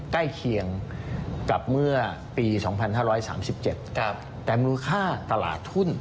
ใกล้เคียงกับเมื่อปีสองพันห้าร้อยสามสิบเจ็ดครับแต่มูลค่าตลาดหุ้น